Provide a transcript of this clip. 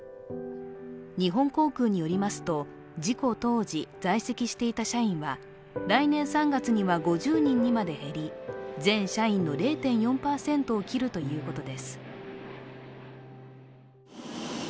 日本航空によりますと、事故当時在籍していた社員は来年３月には５０人までに減り全社員の０．４％を切るということです。